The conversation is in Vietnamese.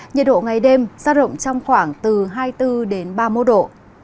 nhiệt độ ngày đêm giá rộng trong khoảng từ hai mươi bốn đến ba mươi một độ